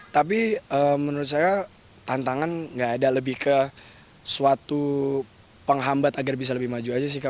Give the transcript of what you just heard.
tapi menurut saya tantangan nggak ada lebih ke suatu penghambat agar bisa lebih maju aja sih kak